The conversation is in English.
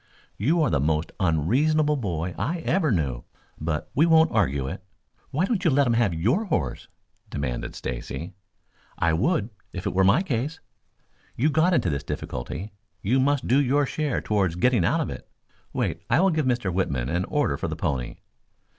"You are the most unreasonable boy I ever knew. But we won't argue it." "Why don't you let him have your horse!" demanded Stacy. "I would if it were my case. You got into this difficulty. You must do your share towards getting out of it. Wait, I will give Mr. Whitman an order for the pony."